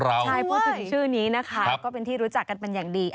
ใช่วันนี้ก็เป็นที่รู้จักกันอย่างดี